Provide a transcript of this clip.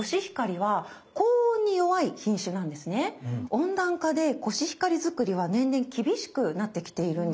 温暖化でコシヒカリ作りは年々厳しくなってきているんです。